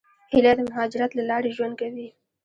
هیلۍ د مهاجرت له لارې ژوند کوي